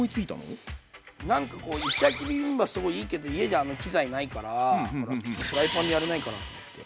なんかこう石焼きビビンバすごいいいけど家であの器材ないからちょっとフライパンでやれないかなって。